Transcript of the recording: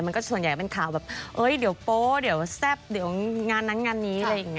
มันก็ส่วนใหญ่เป็นข่าวแบบเดี๋ยวโป๊เดี๋ยวแซ่บเดี๋ยวงานนั้นงานนี้